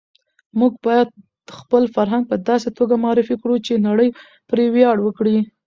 موږ باید خپل فرهنګ په داسې توګه معرفي کړو چې نړۍ پرې ویاړ وکړي.